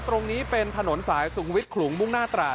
ตรงนี้เป็นถนนสายสุงวิทย์ขลุงมุ่งหน้าตราด